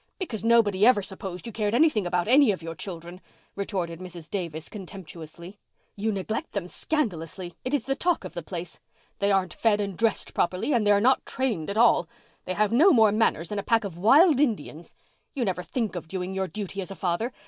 "Because nobody ever supposed you cared anything about any of your children," retorted Mrs. Davis contemptuously. "You neglect them scandalously. It is the talk of the place. They aren't fed and dressed properly, and they're not trained at all. They have no more manners than a pack of wild Indians. You never think of doing your duty as a father.